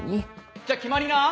じゃあ決まりな！